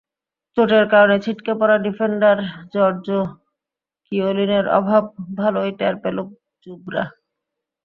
চোটের কারণে ছিটকে পড়া ডিফেন্ডার জর্জো কিয়োলিনের অভাব ভালোই টের পেল জুভরা।